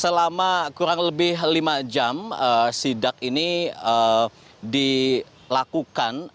selama kurang lebih lima jam sidak ini dilakukan